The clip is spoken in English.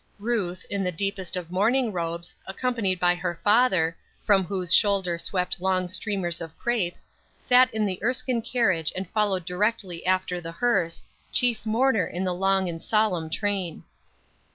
Ruth, in the deepest of mourning robes, accompanied by her father, from whose shoulder swept long streamers of crape, sat in the Erskine carriage and followed directly after the hearse, chief mourner in the long and solemn train.